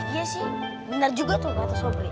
iya sih bener juga tuh kata sabri